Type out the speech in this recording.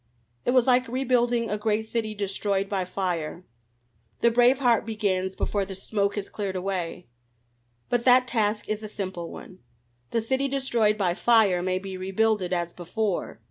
It was like rebuilding a great city destroyed by fire; the brave heart begins before the smoke has cleared away. But that task is a simple one. The city destroyed by fire may be rebuilded as before.